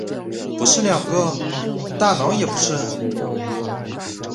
不是两个？大脑不也是？